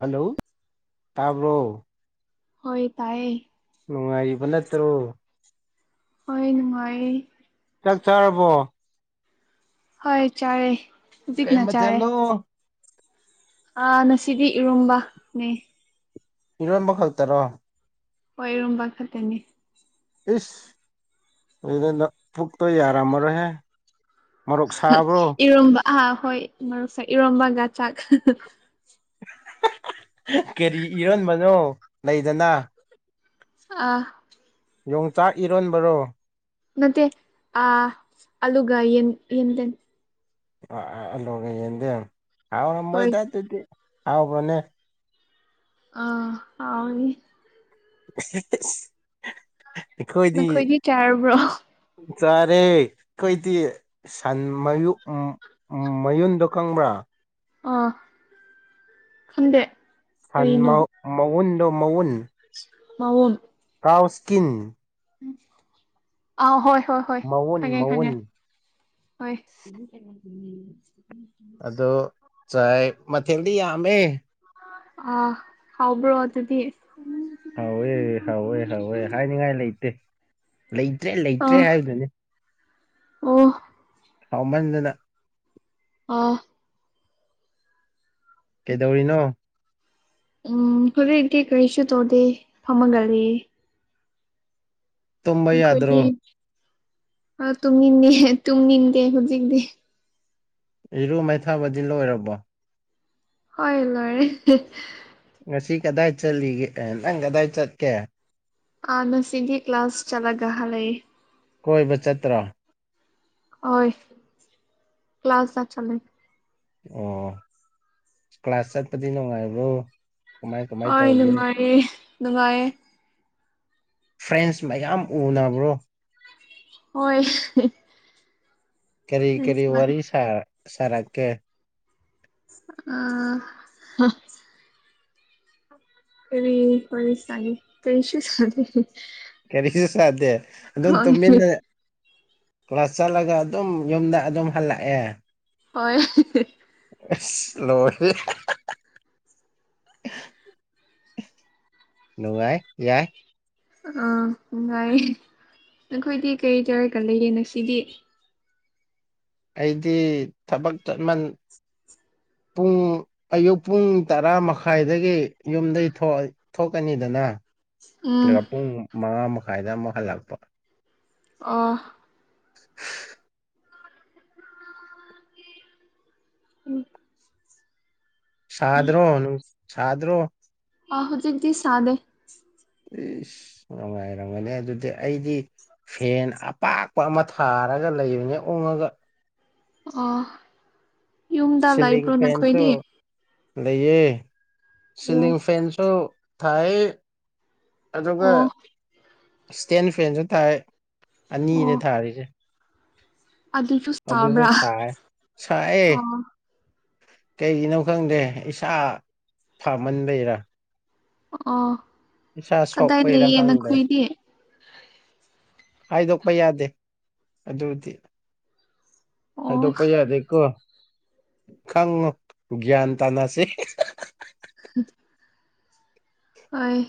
Hello ꯇꯥꯕ꯭ꯔꯣ ꯍꯣꯏ ꯇꯥꯏꯌꯦ ꯎꯅꯨꯡ ꯑꯩꯕꯂꯠꯇꯔꯣ ꯍꯣꯏꯅꯅꯨꯡ ꯍꯣꯏ ꯆꯥꯛ ꯆꯥꯔꯕꯣ ꯍꯣꯏ ꯆꯥꯔꯦ ꯀꯩ ꯍꯧꯖꯤꯛꯅ ꯃꯊꯅꯣ ꯑ ꯉꯁꯤꯗꯤ ꯏꯔꯣꯕꯅꯦ ꯏꯔꯣꯟꯝꯕ ꯈꯛꯇꯔꯣ ꯍꯣꯏ ꯏꯔꯨꯝꯕ ꯈꯛꯇꯅꯤ ꯏ ꯑꯗꯨ ꯐꯨꯛꯛꯇ ꯌꯥꯔ ꯃꯔꯔꯍꯦ ꯃꯔꯣꯔꯣꯛ ꯁꯥꯕ꯭ꯔꯣ ꯏꯔꯣꯝꯕ ꯑꯥ ꯍꯣꯏ ꯃꯔꯨꯞꯁꯥꯏ ꯏꯔꯣꯝꯕꯒ ꯆꯥꯛ ꯀꯦꯔꯤ ꯏꯔꯣꯟꯕꯅꯣ ꯂꯩꯗꯅ ꯑꯥ ꯌꯣꯡꯆꯥꯛ ꯏꯔꯣꯟꯕꯔꯣ ꯃꯦ ꯑ ꯑꯂꯒ ꯌꯦꯟ ꯌꯦꯟꯇ ꯑꯜꯂꯒ ꯌꯦꯡꯗꯦ ꯍꯥꯎꯔ ꯍꯣꯏ ꯃꯣꯏꯗ ꯑꯗꯨꯗꯤ ꯍꯥꯎꯕ꯭ꯔꯣꯅꯦ ꯑꯥ ꯍꯥꯎꯅꯤ [unintelligible] ꯑꯩꯈꯣꯏꯗꯤ ꯅꯈꯣꯏꯗꯤ ꯆꯥꯔꯕ꯭ꯔꯣ ꯆꯥꯔꯦ ꯀꯩꯗꯤ ꯁꯟꯃꯌꯣꯛ ꯃꯌꯨꯟꯗꯣ ꯈꯪꯕ꯭ꯔꯥ ꯑ ꯈꯗꯦ ꯁꯟ ꯃꯎꯟꯗꯣ ꯃꯎꯟ ꯑꯎꯟ ꯇꯥꯎꯁꯀꯤꯤꯟ ꯑ ꯍꯣꯏ ꯍꯣꯏ ꯍꯣꯏ ꯃꯎꯟ ꯈꯪꯉꯦ ꯃꯎꯟ ꯈꯪꯉꯦ ꯍꯣꯏ ꯑꯗꯣ ꯆꯥꯏ ꯃꯊꯦꯜꯗꯤ ꯌꯥꯝꯃꯦ ꯑ ꯍꯥꯎꯕ꯭ꯔꯣ ꯑꯗꯨꯗꯤ ꯍꯧꯥꯎꯋꯦ ꯍꯧꯋꯦ ꯍꯧꯋꯦ ꯍꯥꯏꯅꯤꯡꯉꯥꯏ ꯂꯩꯇꯦ ꯂꯩꯇ꯭ꯔꯦ ꯑꯥ ꯂꯩꯇ꯭ꯔꯦ ꯍꯥꯏꯕꯗꯨꯅꯦ ꯑꯣ ꯍꯥꯎꯃꯗꯅ ꯑ ꯀꯩꯗꯧꯔꯤꯅꯣ ꯎꯝ ꯍꯂ ꯏꯗꯤ ꯀꯩꯁ ꯇꯣꯗꯦ ꯐꯃꯒꯦ ꯇꯨꯝꯝꯕ ꯌꯥꯗ꯭ꯔꯣ ꯑ ꯇꯨꯝꯅꯤꯡꯗꯦ ꯇꯨꯝꯅꯤꯡꯟꯗꯦ ꯍꯧꯖꯤꯛꯇꯤ ꯏꯔꯨ ꯃꯩꯊꯥꯕꯗꯤ ꯂꯣꯏꯔꯕꯣ ꯍꯣꯏ ꯂꯣꯏꯔ ꯉꯁꯤ ꯀꯗꯥꯏ ꯆꯠꯂꯤꯒꯦ ꯅꯪ ꯀꯗꯥꯏ ꯆꯠꯀꯦ ꯑꯅ ꯁꯤꯗꯤ ꯀ꯭ꯂꯥꯁ ꯆꯂꯒ ꯍꯂ ꯀꯣꯏꯕ ꯆꯠꯇ꯭ꯔꯥ ꯍꯣꯏ ꯀ꯭ꯂ ꯀ꯭ꯂꯥꯁ ꯆꯦ ꯑꯣ ꯀ꯭ꯂꯥꯁ ꯆꯠꯄꯗꯤ ꯅꯨꯡꯉꯥꯏꯕ꯭ꯔꯣ ꯀꯃꯥꯏ ꯀꯃꯥꯏ ꯍꯣꯏ ꯇꯧꯒꯦ ꯅꯨꯡꯉꯥꯏꯌꯦ ꯅꯨꯡꯉꯥꯏꯌꯦ ꯐ꯭ꯔꯦꯟꯁ ꯃꯌꯥꯝ ꯎꯅꯕ꯭ꯔꯣ ꯍꯣꯏ ꯀꯔꯤ ꯀꯔꯤ ꯋꯥꯔꯤ ꯁꯥ ꯁꯥꯔꯛꯀꯦ ꯑ ꯀ ꯐꯁ ꯆꯂꯤ ꯇꯩꯁꯤ ꯀꯔꯤꯁꯨꯁꯨ ꯆꯗꯦ ꯑꯗꯨꯝ ꯇꯨꯃꯤꯟꯅ ꯀ꯭ꯂꯥꯁ ꯆꯠꯂꯒ ꯑꯗꯨ ꯑꯗꯨꯝ ꯌꯣꯡꯗ ꯑꯗꯨ ꯑꯗꯨꯝ ꯍꯜꯂꯛꯦ ꯍꯣꯏ ꯑꯁ ꯂꯣꯏ [unintelligible] ꯅꯨꯡꯉꯥꯏ ꯌꯥꯏ ꯑꯥ ꯅꯨꯡꯉꯥꯏꯌꯦꯦ ꯅꯈꯣꯏꯗꯤ ꯀꯩ ꯇꯔꯒ ꯂꯩꯌꯦ ꯉꯁꯤꯗꯤ ꯑꯩꯗꯤ ꯊꯕꯛ ꯆꯠꯃꯟ [inaudible] ꯄꯨꯡ ꯑꯌꯨꯛ ꯄꯨꯡ ꯇꯔꯥ ꯃꯈꯥꯏꯗꯒꯤ ꯌꯨꯝꯗꯒꯤ ꯊꯣꯛꯀꯅꯤꯗꯅ ꯎꯝ ꯑꯗꯨꯒ ꯄꯨꯡ ꯃꯉꯥ ꯃꯈꯥꯏꯗ ꯑꯃꯨꯛ ꯍꯜꯂꯛꯄ ꯑ [inaudible] ꯎꯝ ꯁꯥꯗꯔꯣꯅ ꯁꯥꯗꯔꯣ ꯑꯍ ꯍꯧꯖꯤꯛꯗꯤ ꯁꯥꯗꯦ ꯏꯁ ꯅꯨꯡꯉꯥꯏꯔꯝꯒꯅꯤ ꯑꯗꯨꯗꯤ ꯑꯩꯗꯤ ꯐꯦꯟ ꯑꯄꯥꯛꯄ ꯑꯃ ꯊꯥꯔꯒ ꯂꯩꯕꯅꯦ ꯑꯣꯡꯉꯒ ꯑꯣ ꯌꯨꯝꯗ ꯂꯩꯥꯛꯏꯕ꯭ꯔꯣ ꯅꯈꯣꯏꯗꯤ ꯂꯩꯏꯌꯦ ꯁꯤꯤꯂꯤ ꯑꯣ ꯐꯦꯟꯁꯨꯣ ꯊꯥꯏ ꯑꯗꯨꯒ ꯑꯣ ꯏꯁꯇꯦꯟ ꯐꯦꯟꯁꯨ ꯇꯥꯏ ꯑꯅꯤꯅꯦ ꯑꯣ ꯊꯥꯔꯤꯁꯦ ꯑꯗꯨꯁꯨ ꯑꯗꯨꯗꯁꯨ ꯁꯥꯕ꯭ꯔꯥ ꯆꯥꯏ ꯆꯥꯏꯌꯦ ꯑꯣ ꯀꯩꯒꯤꯅꯣ ꯈꯪꯗꯦ ꯏꯁꯥ ꯐꯥꯃꯟꯕꯔ ꯑ ꯀꯗꯥꯏ ꯁꯣꯛꯄꯩꯔꯥ ꯂꯩꯌꯦꯅ ꯈꯪꯗ꯭ꯔꯦ ꯈꯨꯏꯔꯤꯌꯦ ꯍꯥꯏꯗꯣꯛꯄ ꯌꯥꯗꯦ ꯑꯗꯨꯗꯤ ꯑꯣ ꯑꯗꯣꯄꯩꯗꯣ ꯈꯪꯉ ꯭ꯌꯥꯟ ꯇꯅꯁꯤꯦ ꯑꯣꯏ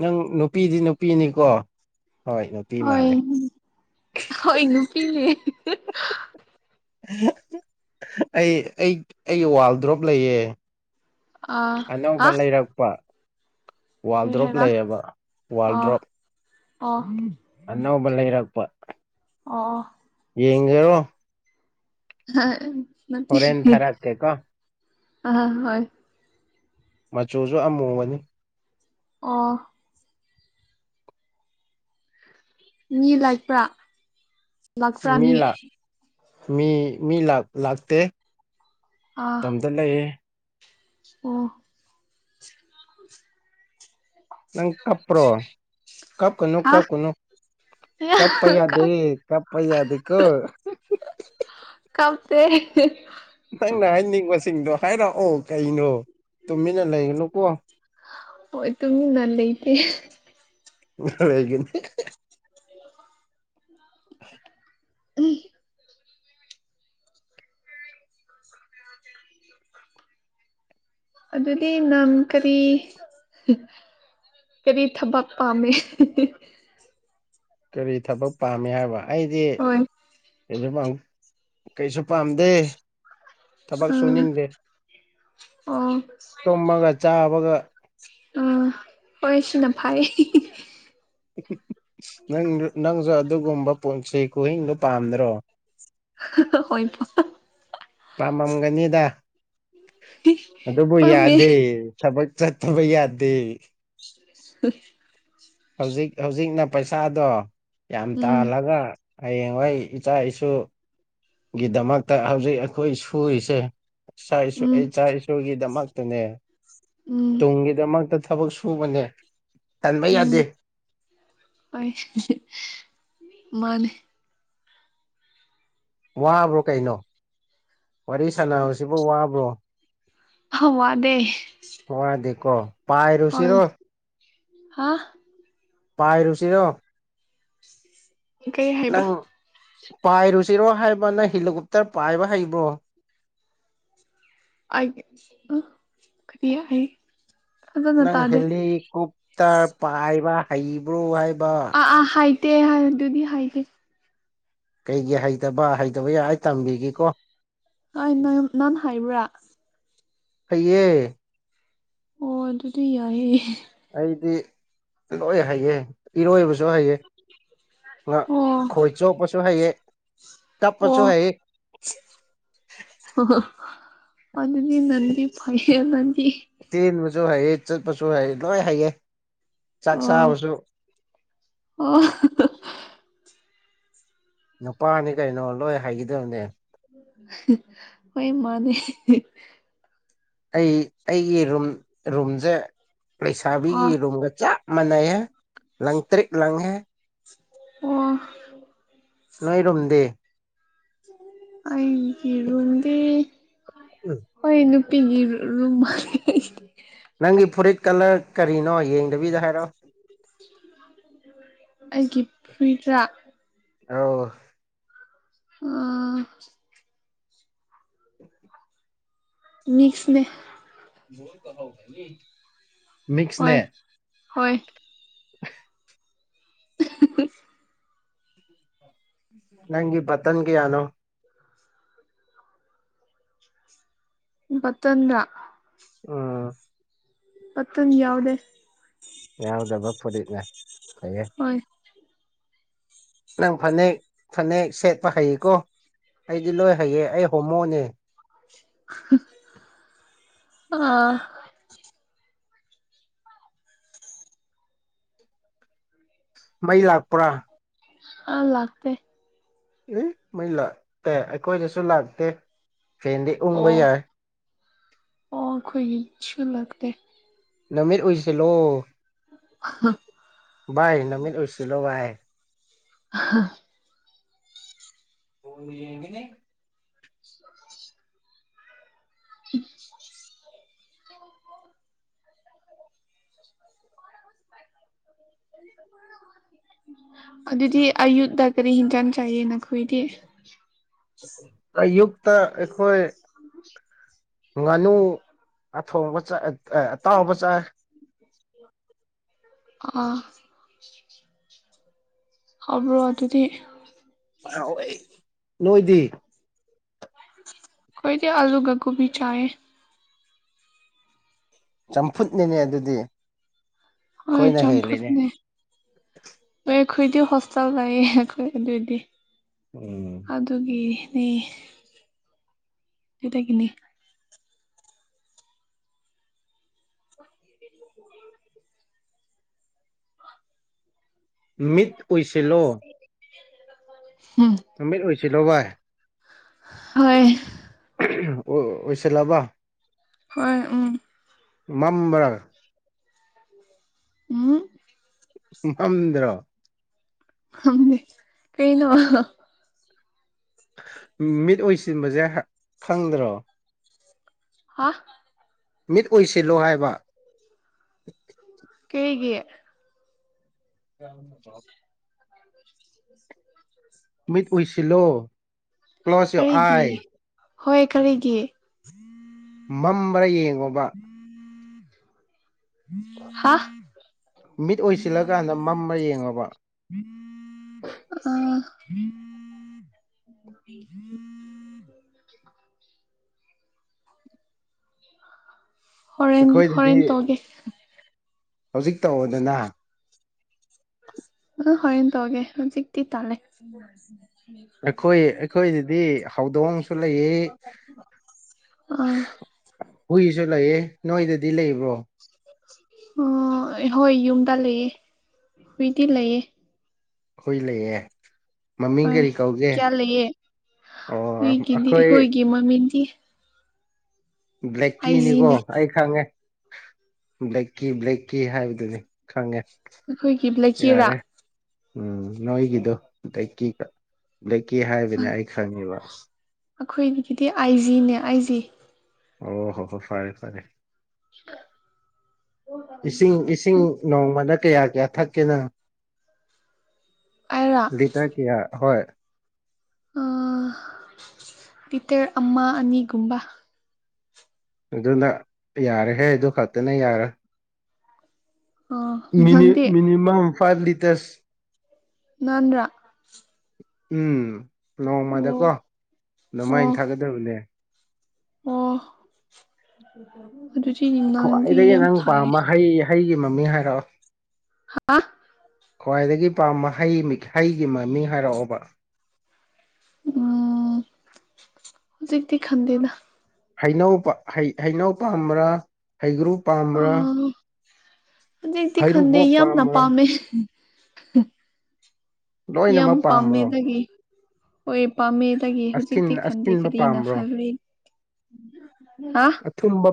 ꯅꯪ ꯅꯨꯄꯤꯗꯤ ꯅꯨꯄꯤꯅꯤꯀꯣ ꯍꯣꯏ ꯅꯨꯄꯤ ꯍꯣꯏ ꯃꯥꯜꯂꯦ ꯍꯣꯏ ꯅꯨꯄꯤꯅꯦ ꯑꯩ ꯑꯩ ꯑꯩꯒꯤ ꯋꯥꯜ ꯗ꯭ꯔꯣꯞ ꯂꯩꯌꯦ ꯑꯥ ꯑꯅꯧꯕ ꯍꯥ ꯂꯩꯔꯛꯄ ꯋꯥꯔꯜ ꯀꯔꯤ ꯗ꯭ꯔꯣꯞ ꯍꯥꯏꯕ ꯂꯩꯌꯦꯕ ꯋꯥꯜꯗ꯭ꯔꯣꯞ ꯑ ꯑꯅꯧꯕ ꯂꯩꯔꯛꯄ ꯑꯣ ꯑꯣ ꯌꯦꯉꯔꯣ ꯊꯥꯔꯛꯀꯦꯀꯣ ꯑ ꯍꯣꯏ ꯃꯆꯨꯁꯨ ꯑꯃꯨꯕꯅꯤ ꯑꯣ ꯃꯤ ꯂꯥꯛꯄ꯭ꯔꯥ ꯂꯥꯛꯄ꯭ꯔꯥ ꯃꯤ ꯃꯤ ꯃꯤ ꯂꯥꯛꯇꯦ ꯑꯥ ꯃꯇꯝꯝꯗ ꯂꯩꯌꯦ ꯑꯣ ꯅꯪ ꯀꯄ꯭ꯔꯣ ꯀꯞꯅꯨ ꯍꯥ ꯀꯞꯅꯨ ꯀꯄꯌꯥꯗ ꯀꯄ ꯑꯗꯨꯀꯣ ꯐ ꯅꯪꯅ ꯍꯥꯏꯅꯤꯡꯕꯁꯤꯡꯗꯣ ꯍꯥꯏꯔꯛꯑꯣ ꯀꯩꯅꯣ ꯇꯨꯃꯤꯟꯅ ꯂꯩꯒꯅꯨꯀꯣ ꯑꯣ ꯇꯃꯤ ꯅ ꯂꯩ ꯂꯩꯇ [unintelligible] [inaudible] [inaudible] ꯎ [unintelligible] ꯑꯗꯨꯗꯤ ꯅꯪ ꯀꯔꯤ ꯀꯔꯤ ꯊꯕꯛ ꯄꯥꯝꯃꯦ ꯀꯔꯤ ꯊꯕꯛ ꯄꯥꯝꯃꯤ ꯍꯥꯏꯕ ꯑꯩꯗꯤ ꯍꯣꯏ ꯀꯩꯁꯨ ꯀꯩꯁꯨ ꯄꯥꯝꯗꯦ ꯊꯕꯛ ꯑꯥ ꯁꯨꯅꯤꯡꯗꯦ ꯑꯣ ꯇꯨꯝꯃꯒ ꯆꯥꯕꯒ ꯑꯥ ꯍꯣꯏ ꯁꯤꯅ ꯐꯩꯌꯦ ꯅꯪ ꯅꯪꯁꯨ ꯑꯗꯨꯒꯨꯝꯕ ꯄꯨꯟꯁꯤ ꯀꯨꯍꯤꯡꯗꯨ ꯄꯥꯝꯗ꯭ꯔꯣ ꯍꯣꯏ ꯄꯥꯝꯃꯝꯒꯅꯤꯗ ꯑꯗꯨꯕꯨ ꯄꯥꯝꯃꯦ ꯌꯥꯗꯦ ꯊꯕꯛ ꯆꯠꯇꯕ ꯌꯥꯗꯦ ꯫ ꯁ [unintelligible] ꯍꯧꯖꯤꯛ ꯍꯧꯖꯤꯛꯅ ꯄꯩꯁꯥꯗꯣ ꯌꯥꯝ ꯎꯝ ꯇꯥꯍꯜꯂꯒ ꯍꯌꯦꯡ ꯃꯣꯏ ꯏꯆꯥ ꯏꯁꯨ ꯒꯤꯗꯃꯛꯇ ꯍꯧꯖꯤꯛ ꯑꯩꯈꯣꯏ ꯁꯨꯔꯤꯁꯦ ꯏꯆꯥ ꯏꯁꯨ ꯎꯝ ꯏꯆꯥ ꯏꯁꯨꯒꯤꯗꯃꯛꯇꯅꯦ ꯎꯝ ꯇꯨꯡꯒꯤꯗꯃꯛꯇ ꯊꯕꯛ ꯁꯨꯕꯅꯦ ꯇꯟꯕ ꯌꯥꯗꯦ꯫ ꯑꯣꯏ ꯃꯥꯅꯦ ꯋꯥꯕ꯭ꯔꯣ ꯀꯩꯅꯣ ꯋꯥꯔꯤ ꯁꯥꯟꯅꯕꯁꯤꯕꯨ ꯋꯥꯕ꯭ꯔꯣ꯫ ꯑꯋꯥꯗꯦ ꯀꯣ ꯄꯥꯏꯔꯨꯁꯤꯔꯣ ꯍꯥ ꯄꯥꯏꯔꯨꯁꯤꯔꯣ ꯀꯩ ꯍꯥꯏꯕ ꯅꯪ ꯄꯥꯏꯔꯨꯁꯤ ꯁꯤꯔꯣ ꯍꯥꯏꯕ ꯅꯪ ꯍꯦꯂꯤꯀꯣꯞꯇꯔ ꯄꯥꯏꯕ ꯍꯩꯕ꯭ꯔꯣ ꯑꯦ ꯀꯌꯥ ꯍꯥꯏ ꯅꯪ ꯍꯦꯜꯂꯤ ꯀꯨꯞꯇ ꯄꯥꯏꯕ ꯍꯩꯕ꯭ꯔꯣ ꯍꯥꯏꯕ ꯑꯥ ꯑꯥ ꯍꯥꯏꯇꯦ ꯍꯥꯏ ꯑꯗꯨꯗꯤ ꯍꯥꯏꯗꯦ ꯀꯩꯒꯤ ꯍꯩꯇꯕ ꯍꯩꯇꯕ ꯌꯥꯏ ꯑꯩ ꯇꯝꯕꯤꯒꯦꯀꯣ ꯍ ꯅ ꯅꯥꯟ ꯍꯥꯏꯕ꯭ꯔꯥ ꯍꯩꯌꯦ ꯑꯣ ꯑꯗꯨꯗꯤ ꯌꯥꯏꯌꯦ ꯑꯩꯗꯤ ꯂꯣꯏ ꯍꯩꯌꯦ ꯏꯔꯣꯏꯕꯁꯨ ꯍꯩꯌꯦ ꯉ ꯑꯣ ꯈꯣꯏ ꯆꯣꯞꯄꯁꯨ ꯍꯩꯌꯦ ꯇꯞꯄꯁꯨ ꯍꯩꯌꯦ [unintelligible] ꯑꯣ ꯑꯗꯨꯗꯤ ꯅꯪꯗꯤ ꯐꯩꯌꯦ ꯅꯪꯗꯤ ꯆꯦꯟꯕꯁꯨ ꯍꯩꯌꯦ ꯆꯠꯄꯁꯨ ꯍꯩ ꯂꯣꯏ ꯍꯩꯌꯦ ꯆꯥꯛ ꯑꯣ ꯆꯥꯕꯁꯨ ꯑꯣ ꯅꯨꯄꯥꯅꯤ ꯀꯩꯅꯣ ꯂꯣꯏ ꯍꯥꯏꯒꯗꯕꯅꯦ ꯍꯣꯏ ꯃꯥꯅꯦ ꯑꯩ ꯑꯩꯒꯤ ꯔꯨꯝ ꯔꯨꯝꯁꯦ ꯂꯩꯁꯥꯕꯤꯒꯤ ꯑꯣ ꯔꯨꯝꯒ ꯆꯞ ꯃꯥꯟꯅꯩꯑꯦ ꯂꯪ ꯇ꯭ꯔꯤꯠ ꯂꯪꯉꯦ ꯑꯣ ꯅꯣꯏꯔꯨꯝꯗꯤ ꯑꯩꯒꯤꯔꯨꯝꯗꯤ ꯎꯝ ꯄꯤꯒꯤ ꯔꯨꯝ ꯃꯥ ꯅꯪꯒꯤ ꯐꯨꯔꯤꯠ ꯀꯂꯔ ꯀꯔꯤꯅꯣ ꯌꯦꯡꯗꯕꯤꯗ ꯍꯥꯏꯔꯛꯑꯣ ꯑꯩꯒꯤ ꯐꯨꯔꯤꯠꯔ ꯑꯥꯎ ꯑ ꯃꯤꯛꯁꯅꯦ ꯍꯣꯏ ꯃꯛꯁꯅꯦ ꯍꯣꯏ [inaudible] [inaudible] ꯅꯪꯒꯤ ꯄꯇꯟꯒꯌꯥꯅꯣ ꯄꯠꯇꯗ ꯎꯝ ꯄꯊꯅꯤ ꯌꯥꯎꯗꯦ ꯌꯥꯎꯗꯕ ꯐꯨꯔꯤꯠꯅꯦ ꯐꯩꯌꯦ ꯍꯣꯏ ꯅꯪ ꯐꯅꯦꯛ ꯐꯅꯦꯛ ꯁꯦꯠꯄ ꯍꯩꯌꯦꯀꯣ ꯑꯩꯗꯤ ꯂꯣꯏ ꯍꯩꯌꯦ ꯑꯩ ꯍꯣꯃꯣꯅꯦ ꯑꯥ ꯃꯩ ꯂꯥꯛꯄ꯭ꯔꯥ ꯑꯥ ꯂꯥꯛꯇ ꯑꯦ ꯃꯩ ꯂꯥꯛꯇꯦ ꯑꯩꯈꯣꯏꯗꯁꯨ ꯂꯥꯛꯇꯦ ꯐꯦꯅꯦꯟꯗꯤ ꯎꯪꯕ ꯑꯣ ꯌꯥꯔ ꯁꯨ ꯂꯥꯛꯛꯇ ꯅꯃꯤꯠ ꯑꯣꯏꯁꯤ ꯍ ꯚꯏ ꯅꯃꯤꯗ ꯎꯔꯁꯤꯂꯣ ꯏ ꯍꯥ ꯍꯃꯤꯅꯦ [inaudible] ꯎꯝ ꯑꯗꯨꯗꯤ ꯑꯌꯨ ꯔꯤꯍꯤꯟꯖꯅꯤ ꯆꯥꯌꯦꯅꯈꯣꯏꯗꯤ ꯑꯌꯨꯛꯇ ꯑꯩꯈꯣꯏ ꯉꯥꯅꯨ ꯑꯊꯣꯡꯕ ꯆ ꯑꯇꯥꯎꯕ ꯆꯥꯏ ꯑ ꯍꯕ꯭ꯔꯣ ꯑꯗꯨꯗꯤ ꯅꯣꯏꯗꯤ ꯀꯣꯏꯗꯤ ꯑꯂꯨ ꯒꯒꯨꯕꯤ ꯆꯥꯦ ꯆꯝꯐꯨꯠꯅꯤꯅꯦ ꯑꯗꯨꯗꯤ ꯍꯣꯏ ꯑꯩꯈꯣꯏꯅ ꯍꯦꯜꯂꯤꯅꯦ ꯆꯝꯐꯨꯠꯅꯦ ꯑꯩꯈꯣꯏꯗꯤ ꯍꯣꯁꯇꯦꯜ ꯂꯩꯌꯦ ꯑꯩꯈꯣꯏ ꯑꯗꯨꯏꯗꯤ ꯎꯝ ꯑꯗꯨꯒꯤ [unintelligible] [unintelligible] ꯃꯤꯠ ꯑꯣꯏꯁꯤꯂꯣ [unintelligible] ꯅꯨꯃꯤꯠ ꯑꯣꯏꯁꯤꯜꯂꯣ ꯚꯏ ꯍꯣꯏ ꯑꯣ ꯑꯣꯏꯁꯂꯕ ꯍꯣꯏ ꯎꯝ ꯃꯝꯕꯔꯒ ꯑ ꯃꯝꯗ꯭ꯔ ꯀꯩꯅꯩꯅ ꯃꯤꯠ ꯑꯣꯏꯁꯤꯟꯕꯁꯦ ꯈꯪꯗ꯭ꯔꯣ ꯍꯥ ꯃꯤꯠ ꯑꯣꯏꯁꯤꯜꯂꯣ ꯍꯥꯏꯕ ꯀꯩꯒꯤ [unintelligible] ꯃꯤꯠ ꯎꯏꯁꯤꯜꯂꯣ ꯀꯂꯣꯁ ꯌꯣꯔ ꯀꯔꯤꯒꯤ ꯑꯥꯏ ꯍꯣꯏ ꯀꯔꯤꯒꯤ ꯃꯝꯕꯔ ꯌꯦꯡꯉꯨꯕ ꯍꯥ ꯃꯤꯠ ꯑꯣꯏꯁꯤꯜꯂꯀꯥꯟꯗ ꯃꯃ ꯌꯦꯡꯕ ꯑ ꯎꯝ ꯎꯝ ꯍꯣꯔꯦꯟ ꯑꯩꯈꯣꯏꯗꯗꯤ ꯍꯣꯔꯦꯟꯦꯟ ꯇꯧꯒꯦ ꯍꯧꯖꯤꯛ ꯇꯧꯗꯅ ꯑ ꯍꯣꯏꯦꯟ ꯇꯧꯒꯦ ꯍꯧꯖꯤꯛꯇꯤ ꯇꯥꯂꯦ ꯑꯩꯈꯣꯏ ꯑꯩꯈꯣꯏꯗꯗꯤ ꯍꯧꯗꯣꯡ ꯍꯨꯏꯁꯨ ꯑꯥ ꯂꯩꯑ ꯅꯣꯏꯗ ꯂꯩ ꯕ꯭ꯔꯣ ꯎ ꯍꯣꯏ ꯌꯨꯝꯗ ꯂꯩꯑ ꯍꯨꯏꯗꯤ ꯂꯩꯌꯦ ꯍꯏ ꯂꯩꯌꯦꯦ ꯃꯃꯤꯡ ꯍꯣꯏ ꯀꯔꯤ ꯀꯧꯒꯦ ꯀꯌꯥ ꯂꯩꯌꯦ ꯑꯣ ꯍꯨꯏꯒꯤꯗꯤ ꯑꯩꯈꯣꯏ ꯑꯩꯈꯣꯏꯒꯤ ꯃꯃꯤꯡꯗꯤ ꯕ꯭ꯂꯦꯛꯀꯤꯅꯤꯀꯣ ꯑꯥꯏꯖꯤꯅꯦ ꯑꯩ ꯈꯪꯉꯦ ꯕ꯭ꯂꯦꯛꯀꯤꯤ ꯕ꯭ꯂꯦꯛꯀꯤꯤ ꯍꯥꯏꯕꯗꯨꯗꯤ ꯈꯪꯉꯦ ꯑꯩꯈꯣꯏꯒꯤ ꯂꯩꯀꯦꯔꯥ ꯌꯥꯔꯦ ꯎꯝ ꯅꯣꯏꯒꯤꯗꯣ ꯀꯤ ꯍꯥꯏꯕꯅꯦ ꯑꯩ ꯈꯪꯉꯦꯕ ꯑꯩꯈꯣꯏꯒꯤꯗꯤ ꯑꯥꯏ ꯖꯤꯅꯦ ꯑꯥꯏ ꯖꯤ ꯑꯣ ꯍꯣ ꯍꯣ ꯐꯔꯦ ꯐꯔꯦ ꯏꯁꯤꯡ ꯏꯁꯤꯡ ꯅꯣꯡꯃꯗ ꯀꯌꯥ ꯀꯌꯥ ꯊꯛꯀꯦꯅ ꯑꯩꯔꯥ ꯂꯤꯇ ꯀꯌꯥ ꯍꯣꯏ ꯑ ꯂꯤꯇꯔ ꯑꯃ ꯑꯅꯤꯒꯨꯝꯕ ꯑꯗꯨꯅ ꯌꯥꯔꯍꯦ ꯑꯗꯨ ꯈꯛꯇꯅ ꯌꯥꯔꯣꯏ ꯑꯥ ꯅꯪꯗꯤ ꯃꯤꯅꯤꯃꯝ ꯐꯥꯏꯚ ꯂꯤꯇꯔꯁ ꯅꯟꯗ ꯎꯝ ꯅꯣꯡꯃꯗꯀꯣ ꯑꯗꯨꯃꯥꯏꯅ ꯑꯣ ꯊꯥꯒꯗꯕꯅꯦ ꯑꯣ ꯑꯗꯨꯗꯤ ꯅꯪꯗꯤ ꯈ꯭ꯋꯥꯏꯗꯒꯤ ꯌꯥꯝ ꯅꯪ ꯐꯩꯌꯦ ꯄꯥꯝꯕ ꯍꯩ ꯍꯩꯒꯤ ꯃꯃꯤꯡ ꯍꯥꯏꯔꯛꯑꯣ ꯍꯥ ꯈ꯭ꯋꯥꯏꯗꯒꯤ ꯄꯥꯝꯕ ꯍꯩ ꯍꯩꯒꯤ ꯃꯃꯤꯡ ꯍꯥꯏꯔꯛꯑꯣꯕ ꯎꯝ ꯍꯧꯖꯤꯛꯇꯤ ꯈꯟꯗꯦꯗ ꯍꯩꯅꯧ ꯍꯩꯅꯧ ꯄꯥꯝꯕ꯭ꯔꯥ ꯍꯩꯒ꯭ꯔꯨ ꯑ ꯄꯥꯝꯕ꯭ꯔꯥ ꯍꯧꯖꯤꯛꯇꯗꯤ ꯈꯟꯗꯦ ꯍꯩꯔꯨꯕꯣꯞ ꯌꯥꯝ ꯅ ꯄꯥꯝꯕ꯭ꯔꯥ ꯄꯝꯃꯦ ꯌꯥꯝ ꯂꯣꯏꯅꯃꯛ ꯄꯥꯝꯃꯦ ꯄꯥꯝꯕ꯭ꯔꯣ ꯇꯒꯤ ꯍꯣꯏ ꯄꯥꯝꯃꯦ ꯇꯒꯤ ꯍꯧꯖꯤꯛꯇꯤ ꯑꯁꯤꯟ ꯈꯪꯗꯦ ꯑꯁꯤꯟꯕ ꯀꯔꯤꯅ ꯐ ꯄꯥꯝꯕ꯭ꯔꯣ ꯑꯊꯨꯝꯕ